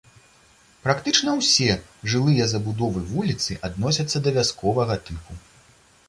Практычна ўсе жылыя забудовы вуліцы адносяцца да вясковага тыпу.